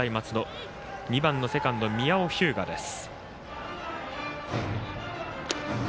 バッター、２番のセカンド宮尾日向です。